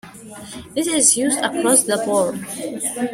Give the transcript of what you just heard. This is used across-the-board.